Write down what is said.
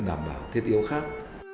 đảm bảo thiết yếu khác